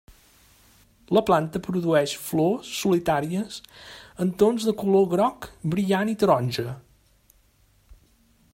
La planta produeix flors solitàries en tons de color groc brillant i taronja.